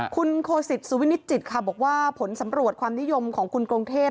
คุณโคสิตสุวินิจิตค่ะบอกว่าผลสำรวจความนิยมของคุณกรุงเทพ